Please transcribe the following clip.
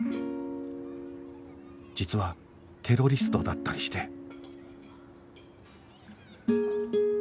実はテロリストだったりして